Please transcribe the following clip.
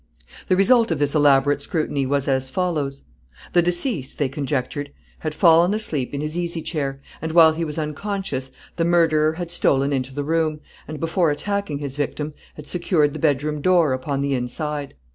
The result of this elaborate scrutiny was as follows: The deceased, they conjectured, had fallen asleep in his easy chair, and, while he was unconscious, the murderer had stolen into the room, and, before attacking his victim, had secured the bedroom door upon the inside.